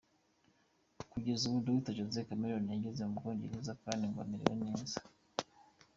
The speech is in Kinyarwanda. Kugeza ubu Dr Jose Chameleone yageze mu Bwongereza kandi ngo amerewe neza.